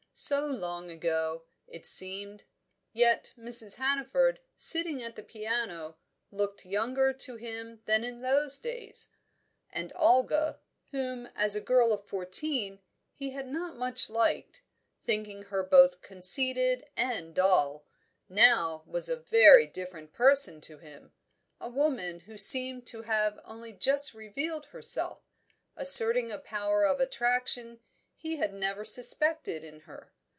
So long ago, it seemed; yet Mrs. Hannaford, sitting at the piano, looked younger to him than in those days. And Olga, whom as a girl of fourteen he had not much liked, thinking her both conceited and dull, now was a very different person to him, a woman who seemed to have only just revealed herself, asserting a power of attraction he had never suspected in her.